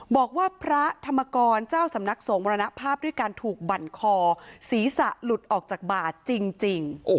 บอกว่าพระธรรมกรเจ้าสำนักสงฆ์มรณภาพด้วยการถูกบั่นคอศีรษะหลุดออกจากบ่าจริง